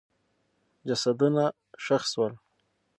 جسدونه ښخ سول.